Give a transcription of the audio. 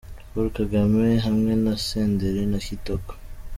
Paul Kagame hamwe na Senderi na Kitoko,.